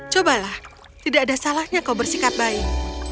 cobalah tidak ada salahnya kau bersikap baik